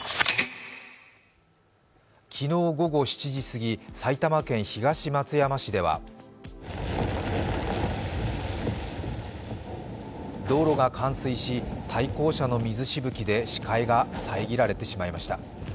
昨日午後７時すぎ、埼玉県東松山市では道路が冠水し、対向車の水しぶきで視界が遮られてしまいました。